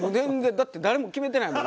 だって誰も決めてないもん